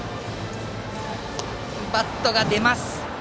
バットが出ます。